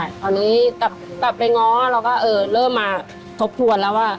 ตอนนี้กลับไปง้อเราก็เออเริ่มมาทบทวนแล้วว่า